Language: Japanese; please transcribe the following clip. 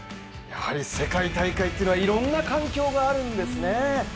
世界大会というのはいろんな環境があるんですね。